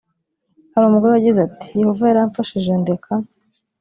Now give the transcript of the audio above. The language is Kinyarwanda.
hari umugore wagize ati yehova yaramfashije ndeka